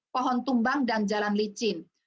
pohon tumbang dan jalan licin